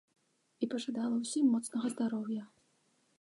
І пажадала ўсім моцнага здароўя.